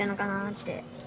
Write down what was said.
って。